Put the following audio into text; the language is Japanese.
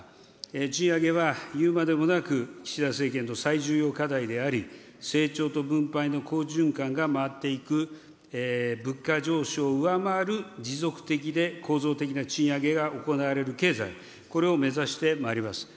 賃上げはいうまでもなく、岸田政権の最重要課題であり、成長と分配の好循環が回っていく物価上昇を上回る持続的で構造的な賃上げが行われる経済、これを目指してまいります。